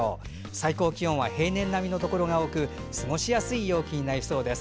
最高気温は平年並みのところが多く過ごしやすい陽気になりそうです。